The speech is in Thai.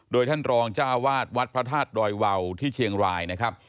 โดยท่านรองจ้าวาดวัดพระธาตุดอยวาวที่เชียงรายนะครับ